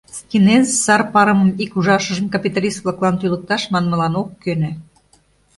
Стинез сар парымым ик ужашыжым капиталист-влаклан тӱлыкташ манмылан ок кӧнӧ.